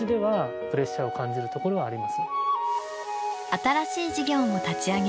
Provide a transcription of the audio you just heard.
新しい事業も立ち上げ